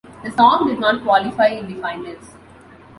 The song did not qualify in the finals.